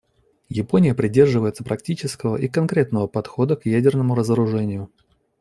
Япония придерживается практического и конкретного подхода к ядерному разоружению.